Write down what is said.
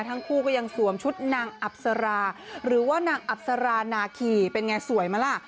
ทั้งคู่ก็ยังสวมชุดนางอับสราหรือว่านางอับสรานาคีเป็นไงสวยไหมล่ะ